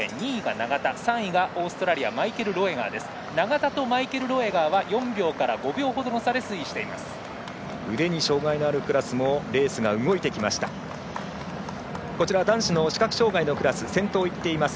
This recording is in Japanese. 永田とマイケル・ロエガーは４秒から５秒ほどの差で推移しています。